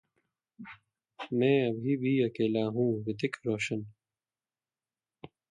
मैं अभी भी अकेला हूं: रितिक रोशन